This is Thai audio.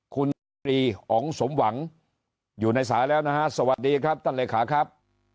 คุณชาตรีอ๋องสมหวังอยู่ในสายแล้วนะฮะสวัสดีครับท่านเลขาครับ